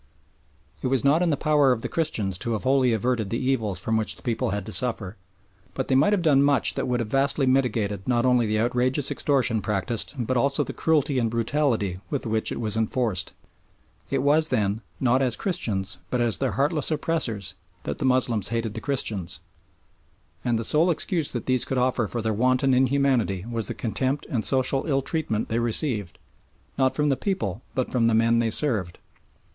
It was not in the power of the Christians to have wholly averted the evils from which the people had to suffer, but they might have done much that would have vastly mitigated not only the outrageous extortion practised but also the cruelty and brutality with which it was enforced. It was, then, not as Christians but as their heartless oppressors that the Moslems hated the Christians, and the sole excuse that these could offer for their wanton inhumanity was the contempt and social ill treatment they received, not from the people but from the men they served.